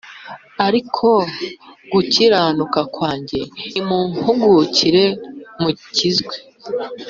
ari ko gukiranuka kwanjye” “nimumpugukire mukizwe